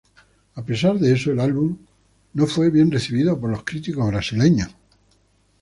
A pesar de eso, el álbum no fue bien recibido por los críticos brasileños.